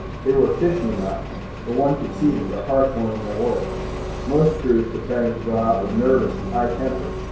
They were efficient enough, but one could see that their hearts weren't in their work. Most crews preparing to go out are nervous and high tempered.